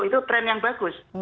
itu tren yang bagus